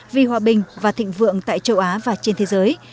vì hòa bình và thịnh vượng tại châu á và trên thế giới